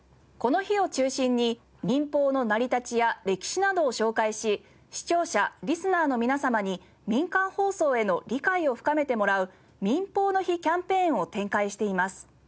この日を中心に民放の成り立ちや歴史などを紹介し視聴者リスナーの皆様に民間放送への理解を深めてもらう民放の日キャンペーンを展開しています。